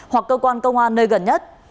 hoặc cơ quan công an nơi gần nhất